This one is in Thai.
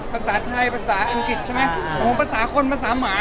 ภาษาไทยภาษาอังกฤษใช่ไหมโอ้โหภาษาคนภาษาหมา